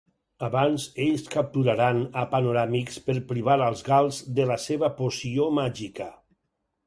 Abans, ells capturaran a Panoràmix per privar als gals de la seva poció màgica.